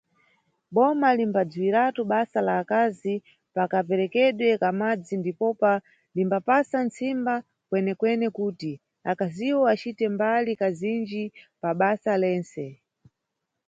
Boma limbadziwiratu basa lá akazi pa kaperekedwe ka madzi ndipopa limbapasa ntsimba kwenekwene kuti akaziwo acite mbali kazinji pabasa lentse.